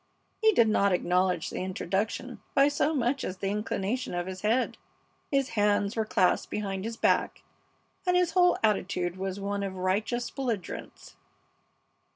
He did not acknowledge the introduction by so much as the inclination of his head. His hands were clasped behind his back, and his whole attitude was one of righteous belligerence.